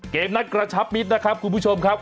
เกมนั้นกระชับมิดนะครับคุณผู้ชมครับ